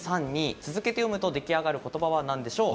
続けて読むと出来上がることばは何でしょうか。